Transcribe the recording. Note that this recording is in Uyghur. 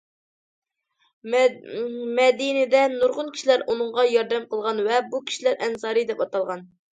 مەدىنىدە نۇرغۇن كىشىلەر ئۇنىڭغا ياردەم قىلغان ۋە بۇ كىشىلەر ئەنسارى دەپ ئاتالغان.